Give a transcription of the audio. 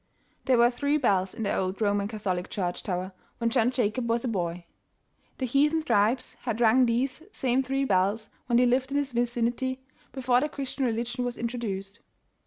There were three bells in the old Roman Catholic Church tower when John Jacob was a boy. The heathen tribes had rung these same three bells, when they lived in this vicinity, before the Christian religion was introduced.